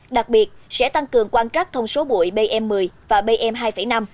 đặc biệt sẽ tăng cường quan trắc thông số bụi bm một mươi và bm hai năm